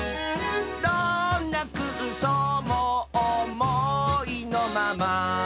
「どんなくうそうもおもいのまま」